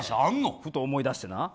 ふと思い出してな。